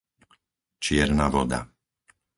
Čierna Voda